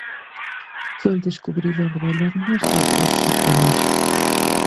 Fue el descubridor del "Hermes" de Praxíteles.